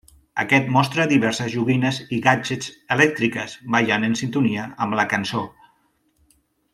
Aquest mostra diverses joguines i gadgets elèctriques ballant en sintonia amb la cançó.